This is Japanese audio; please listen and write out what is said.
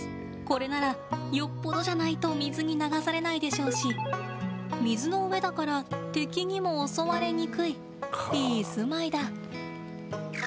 これならよっぽどじゃないと水に流されないでしょうし水の上だから敵にも襲われにくいいい住まいだ。